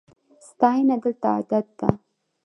ستاینه دلته عادت ده.